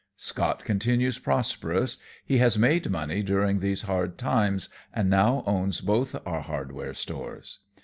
Scott continues prosperous; he has made money during these hard times and now owns both our hardware stores.